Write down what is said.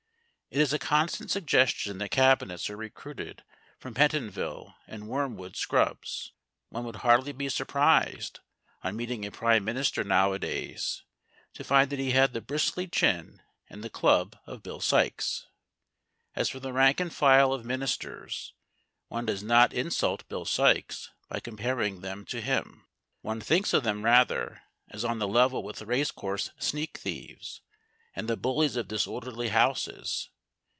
It is a constant suggestion that Cabinets are recruited from Pentonville and Wormwood Scrubs. One would hardly be surprised, on meeting a Prime Minister nowadays, to find that he had the bristly chin and the club of Bill Sikes. As for the rank and file of Ministers, one does not insult Bill Sikes by comparing them to him. One thinks of them rather as on the level with racecourse sneak thieves and the bullies of disorderly houses.